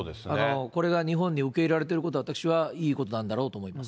これが日本で受け入れられていることは、私はいいことなんだろう